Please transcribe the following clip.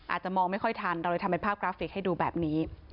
อาจจะมองไม่ค่อยทันเราเลยทำเป็นภาพกราฟิกให้ดูแบบนี้